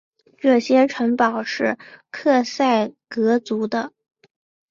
这些城堡是克塞格族的。